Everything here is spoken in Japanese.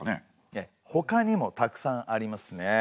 ええほかにもたくさんありますね。